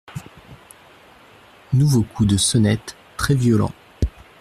Nouveau coup de sonnette très violent.